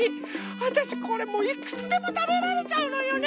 わたしこれもういくつでもたべられちゃうのよね！